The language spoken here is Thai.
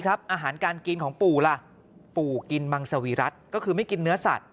ครับอาหารการกินของปูล่ะปูกินบังสวิรัสตร์ก็คือไม่กินเหนือ